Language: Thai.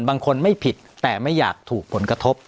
บางคนไม่ผิดแต่ไม่อยากถูกผลกระทบ